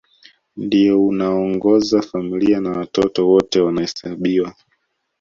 Ndio unaoongoza familia na watoto wote wanahesabiwa